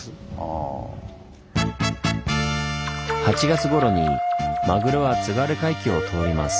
８月ごろにマグロは津軽海峡を通ります。